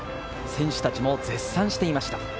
選手たちも絶賛していました。